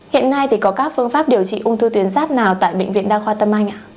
hiện nay thì có các phương pháp điều trị ung thư tuyến ráp nào tại bệnh viện đa khoa tâm anh ạ